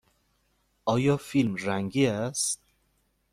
آیا فیلم رنگی است؟